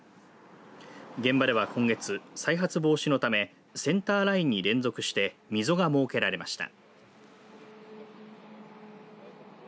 現場では今月再発防止のためセンターラインに連続して溝が設けられました。